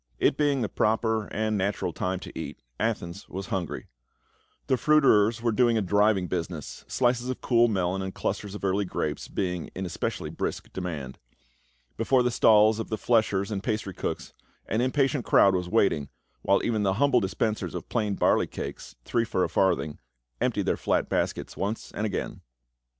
It being the proper and natural time to cat, Athens was hungry ; the fruiterers were doing a driving busi ness, slices of cool melon and clusters of early grapes being in especially brisk demand ; before the stalls of the fleshers and pastry cooks an impatient crowd was waiting, while even the humble dispensers of plain barley cakes — three for a farthing, emptied their flat baskets once and again.